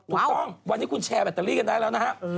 วันนี้คุณแชร์แบตเตอรี่กันได้แล้วนะครับ